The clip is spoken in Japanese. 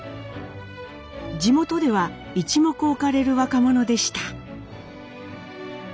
地元では一目置かれる若者でした。